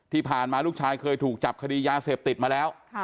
ที่ผ่านมาลูกชายเคยถูกจับคดียาเสพติดมาแล้ว